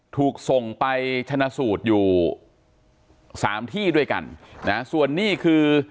ถูกส่งไปชนะสูตรอยู่สามที่ด้วยกันนะส่วนนี่คือ